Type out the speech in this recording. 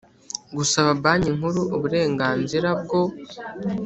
gusaba Banki Nkuru uburenganzira bwo